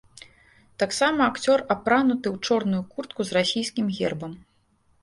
Таксама акцёр апрануты ў чорную куртку з расійскім гербам.